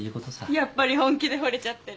やっぱり本気でほれちゃってる。